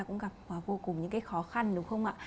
cũng gặp vô cùng những cái khó khăn đúng không ạ